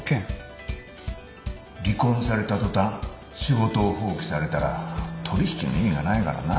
離婚された途端仕事を放棄されたら取引の意味がないからな。